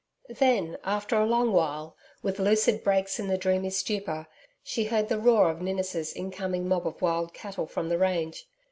Then, after a long while, with lucid breaks in the dreamy stupor, she heard the roar of Ninnis' incoming mob of wild cattle from the range.